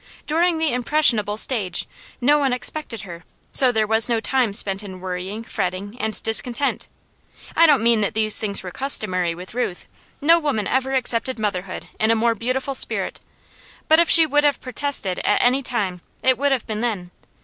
During the impressionable stage, no one expected her, so there was no time spent in worrying, fretting, and discontent. I don't mean that these things were customary with Ruth. No woman ever accepted motherhood in a more beautiful spirit; but if she would have protested at any time, it would have been then.